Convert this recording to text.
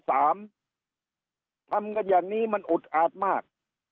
ทำกันอย่างนี้มันอุดอาดมาก